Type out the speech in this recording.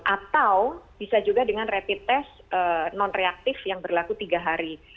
atau bisa juga dengan rapid test non reaktif yang berlaku tiga hari